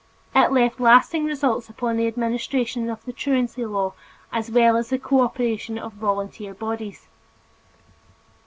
It left lasting results upon the administration of the truancy law as well as the cooperation of volunteer bodies.